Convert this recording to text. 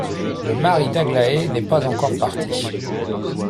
Le mari d’Aglaé n’est pas encore parti.